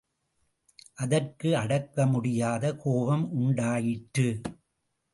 அதற்கு அடக்க முடியாத கோபம் உண்டாயிற்று.